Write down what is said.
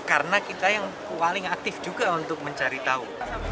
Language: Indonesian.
karena kita yang paling aktif juga untuk mencari tahu